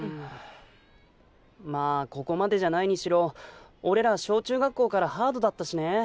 まあここまでじゃないにしろ俺ら小中学校からハードだったしね。